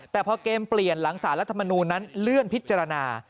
แต่พอเกมเปลี่ยนหลังสารรัฐมนูลนั้นเลื่อนพิจารณา